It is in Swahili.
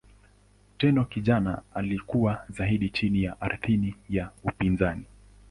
Tenno kijana alikuwa zaidi chini ya athira ya upinzani.